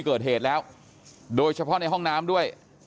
อยู่ดีมาตายแบบเปลือยคาห้องน้ำได้ยังไง